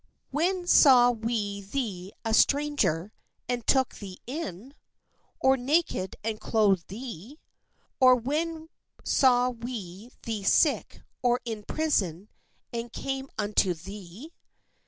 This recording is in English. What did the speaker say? When saw ,. we thee a stranger, and took thee in ? or naked, and clothed thee? Or when saw we thee sick or in prison, and came unto thee?"